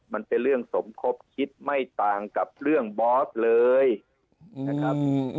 มันเป็นเรื่องสมคบคิดไม่ต่างกับเรื่องบอสเลยนะครับ